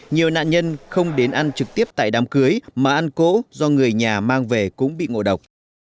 nhiều nạn nhân không đến ăn trực tiếp tại đám cưới mà ăn cỗ do người nhà mang về cũng bị ngộ độc